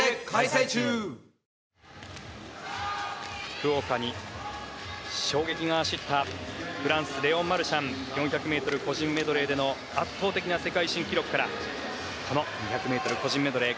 福岡に衝撃が走ったフランス、レオン・マルシャンの４００ｍ個人メドレーでの圧倒的な世界新記録からこの２００ｍ個人メドレー。